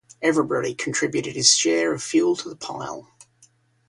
Everybody contributed his share of fuel to the pile.